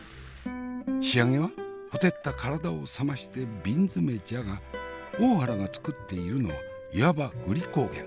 仕上げはほてった体を冷まして瓶詰じゃが大原が作っているのはいわばグリコーゲン。